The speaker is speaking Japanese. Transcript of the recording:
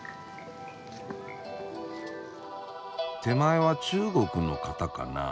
手前は中国の方かな。